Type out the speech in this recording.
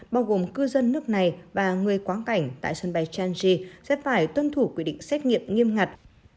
bao gồm cư dân nước này và người quá cảnh tại sân bay changji sẽ phải tuân thủ quy định xét nghiệm nghiêm ngặt